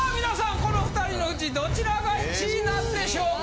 この２人のうちどちらが１位なんでしょうか？